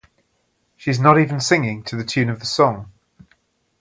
She's not even singing to the tune of the song.